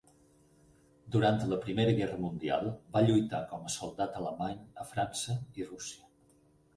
Durant la Primera Guerra Mundial va lluitar com a soldat alemany a França i Rússia.